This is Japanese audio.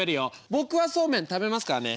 僕はそうめん食べますからね。